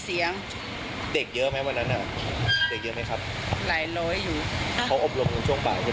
เสียงยังไงบ้าง